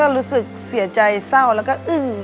รู้สึกเสียใจเศร้าแล้วก็อึ้ง